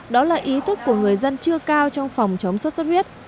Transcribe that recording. đó là ý thức của người dân chưa cao trong phòng chống sốt xuất huyết